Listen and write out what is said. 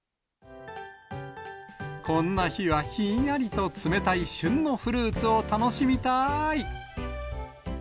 こんな日はひんやりと冷たい旬のフルーツを楽しみたーい。